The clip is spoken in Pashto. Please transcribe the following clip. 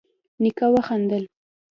نيکه وخندل: